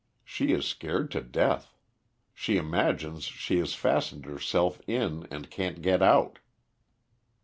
She is scared to death. She imagines she has fastened herself in and can't get out."